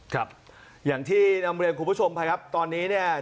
ครับอย่างที่นำเรียนคุณผู้ชมไปครับตอนนี้เนี่ย